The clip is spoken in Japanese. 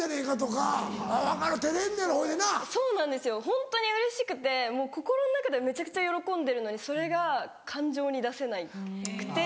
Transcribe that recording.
ホントにうれしくて心の中ではめちゃくちゃ喜んでるのにそれが感情に出せなくて。